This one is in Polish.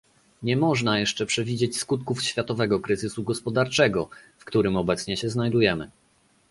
Nie można jeszcze przewidzieć skutków światowego kryzysu gospodarczego, w którym obecnie się znajdujemy